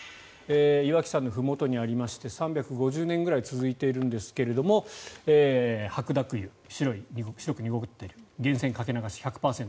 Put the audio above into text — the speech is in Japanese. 岩木山のふもとにありまして３５０年くらい続いているんですが白濁湯、白く濁っている源泉かけ流し１００％。